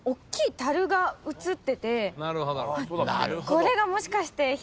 これがもしかして。